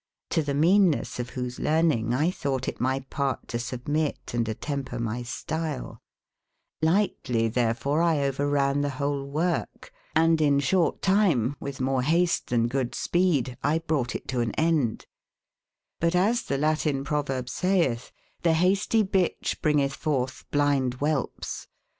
r^o tbe mean esse of whose learn inge X tbougb te it my part to submit and attemper my stile. Ligbtlie therefore X over ran tbe whole woorke, & in shorte xj tymCf with more bast then good spcdc, X brought it to an cndc* But as the la tin provcrbc sayctb: The bastyc bitcbe bringetb furtb blind wbclpcs.